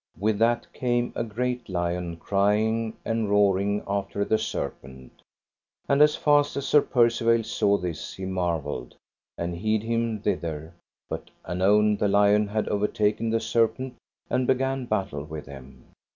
With that came a great lion crying and roaring after the serpent. And as fast as Sir Percivale saw this he marvelled, and hied him thither, but anon the lion had overtaken the serpent and began battle with him.